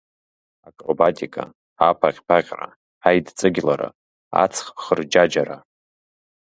Акробатика, аԥаҟьԥаҟьра, аидҵыгьлара, ац хырџьаџьара.